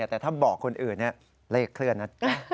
แต่ถ้าบอกคนอื่นเลขเคลื่อนนะ